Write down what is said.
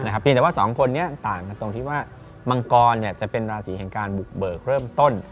เพียงแต่ว่าสองคนนี้ต่างกันตรงที่ว่ามังกรจะเป็นราศีแห่งการบุกเบิกเริ่มต้น